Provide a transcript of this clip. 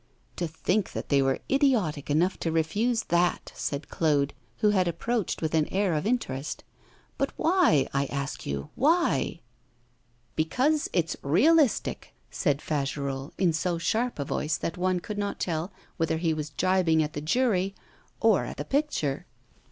'To think that they were idiotic enough to refuse that!' said Claude, who had approached with an air of interest. But why, I ask you, why?' 'Because it's realistic,' said Fagerolles, in so sharp a voice that one could not tell whether he was gibing at the jury or at the picture.